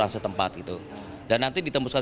apakah masuk jalan nasional